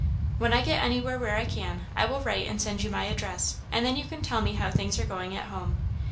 "When I get anywhere where I can, I will write and send you my address, and then you can tell me how things are going at home.